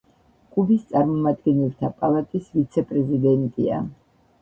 კუბის წარმომადგენელთა პალატის ვიცე-პრეზიდენტია.